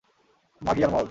মাগি আর মদ।